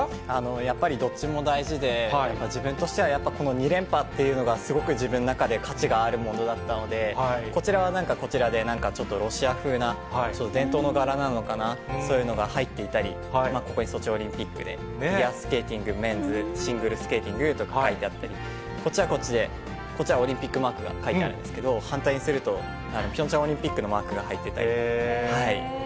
やっぱりどっちも大事で、自分としてはやっぱこの２連覇っていうのが、すごく自分の中で価値があるものだったので、こちらはなんか、こちらでちょっとロシア風な、伝統の柄なのかな、そういうのが入っていたり、ここにソチオリンピックで、、メンズシングルスケーティングとか書かれてあって、こっちはこっちで、こっちはオリンピックマークが描いてあるんですけど、反対にすると、ピョンチャンオリンピックのマークが入ってたり。